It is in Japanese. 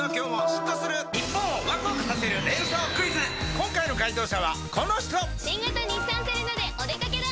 今回の解答者はこの人新型日産セレナでお出掛けだ！